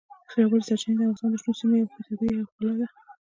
ژورې سرچینې د افغانستان د شنو سیمو یوه طبیعي او ښکلې ښکلا ده.